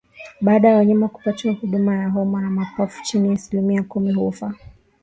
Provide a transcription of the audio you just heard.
Baada ya wanyama kupatiwa huduma ya homa ya mapafu chini ya asilimia kumi hufa